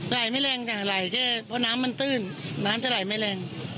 ไหลไม่แรงจ้ะไหลแค่เพราะน้ำมันตื้นน้ำจะไหลไม่แรง